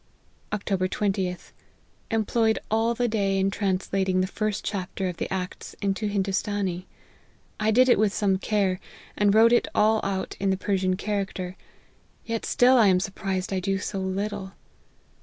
" Oct. 20th. Employed all the day in translat ing the first chapter of the Acts into Hindoostanee. I did it with some care, and wrote it all out in the Persian character ; yet still I am surprised I do so little.